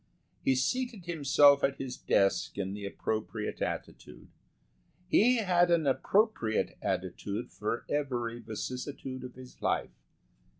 He seated himself at his desk in the appropriate attitude. He had an appropriate attitude for every vicissitude of his life.